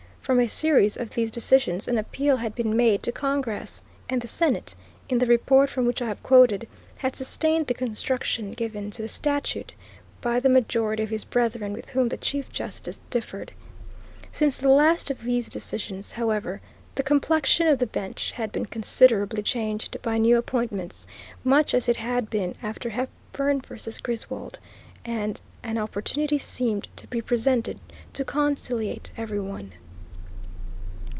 From a series of these decisions an appeal had been made to Congress, and the Senate, in the report from which I have quoted, had sustained the construction given to the statute by the majority of his brethren with whom the Chief Justice differed. Since the last of these decisions, however, the complexion of the bench had been considerably changed by new appointments, much as it had been after Hepburn v. Griswold, and an opportunity seemed to be presented to conciliate every one.